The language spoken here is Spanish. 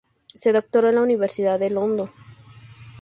Se doctoró en la Universidad de London.